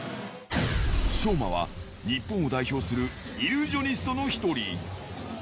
将魔は、日本を代表するイリュージョニストの１人。